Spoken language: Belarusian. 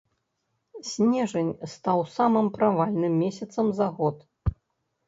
Снежань стаў самым правальным месяцам за год.